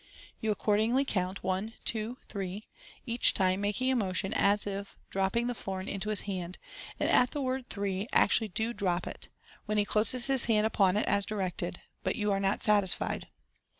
You accordingly count, '* One ! two ! three !" each time making a motion as of dropping the florin into his hand, and at the word "three " actually do drop it, when he closes his hand upon it, as directed ; but you are not satis fied.